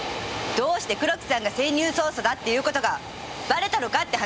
どうして黒木さんが潜入捜査だっていう事がバレたのかって話よ！